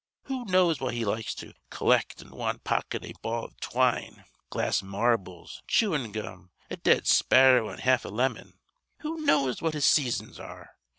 Who knows why he likes to collect in wan pocket a ball iv twine, glass marbles, chewin' gum, a dead sparrow an' half a lemon? Who knows what his seasons are?